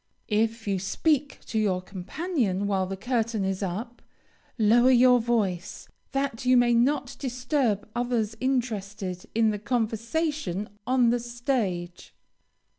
If you speak to your companion while the curtain is up, lower your voice, that you may not disturb others interested in the conversation on the stage.